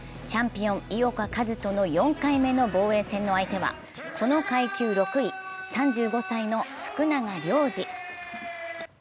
チャンピオン・井岡一翔の４回目の防衛戦の相手はこの階級６位、３５歳の福永亮次。